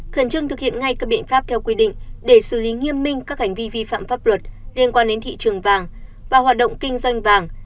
khẩn trương thực hiện ngay các biện pháp theo quy định để xử lý nghiêm minh các hành vi vi phạm pháp luật liên quan đến thị trường vàng và hoạt động kinh doanh vàng